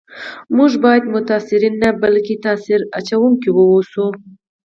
موږ باید متاثرین نه بلکي تاثیر اچونکي و اوسو